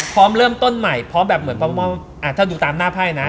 พร้อมเริ่มต้นใหม่พร้อมแบบถ้าดูตามหน้าไพ่นะ